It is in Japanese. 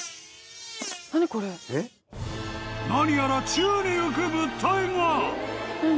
［何やら宙に浮く物体が］